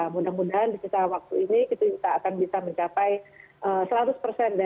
mudah mudahan di sisa waktu ini kita akan bisa mendapatkan